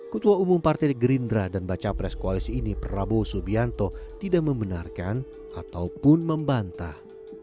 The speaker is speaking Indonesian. ketua umum partai gerindra dan baca pres koalisi ini prabowo subianto tidak membenarkan ataupun membantah